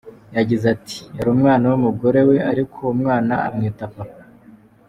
Yagize ati “Yari umwana w’umugore we ariko ’umwana amwita Papa’.